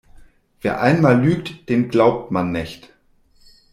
Wer einmal lügt, dem glaubt man nicht.